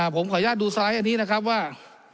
ผมขออนุญาตดูซ้ายอันนี้นะครับว่า